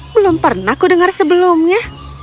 belum pernah aku dengar sebelumnya